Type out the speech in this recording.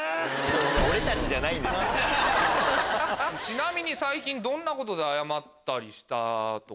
ちなみに最近どんなことで謝ったりしたとか。